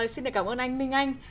xin cảm ơn anh minh anh